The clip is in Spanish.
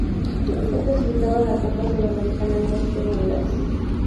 Se ha clasificado a la Copa Sudamericana en dos oportunidades.